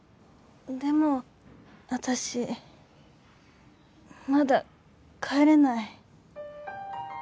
でも私まだ帰れない。